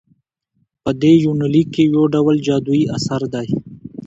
په دې يونليک کې يوډول جادويي اثر دى